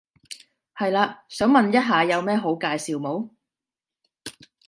係嘞，想問一下有咩好介紹冇？